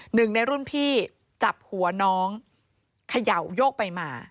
หนึ่งในรุ่นพี่จับหัวน้องเขย่าโยกไปมา